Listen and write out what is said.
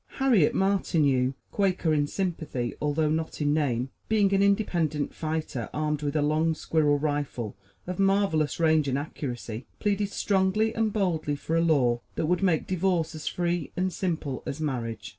Harriet Martineau, Quaker in sympathy, although not in name, being an independent fighter armed with a long squirrel rifle of marvelous range and accuracy, pleaded strongly and boldly for a law that would make divorce as free and simple as marriage.